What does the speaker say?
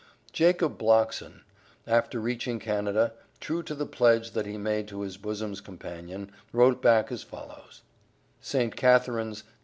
Jacob Blockson, after reaching Canada, true to the pledge that he made to his bosom companion, wrote back as follows: SAINT CATHARINES.